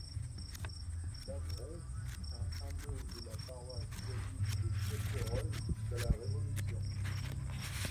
Davron fut un hameau de la paroisse voisine de Feucherolles jusqu'à la Révolution.